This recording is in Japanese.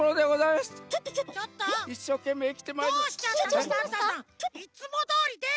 いつもどおりで！